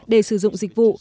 để sử dụng dịch vụ